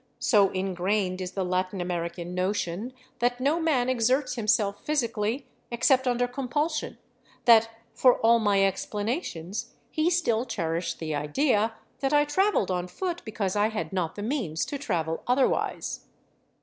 So ingrained is the Latin American notion that no man exerts himself physically, except under compulsion, that, for all my explanations, he still cherished the idea that I traveled on foot because I had not the means to travel otherwise.